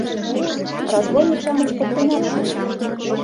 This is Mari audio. Разбойник-шамыч поктенат шуыт.